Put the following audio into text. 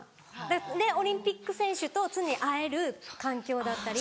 でオリンピック選手と常に会える環境だったり。